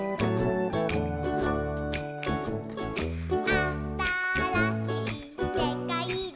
「あたらしいせかいで」